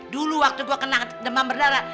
dulu waktu gue kena demam berdarah